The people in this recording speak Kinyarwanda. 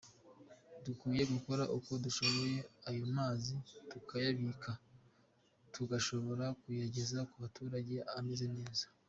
dukwiye gukora uko dushoboye ayo mazi tukayabika tugashobora kuyageza ku baturage ameze neza”.